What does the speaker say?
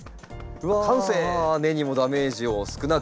うわ根にもダメージを少なく。